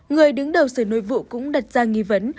người đứng đầu sở nội vụ cũng đặt ra nghi vấn